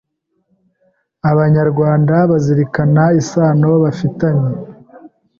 Abanyarwanda bazirikana isano bafitanye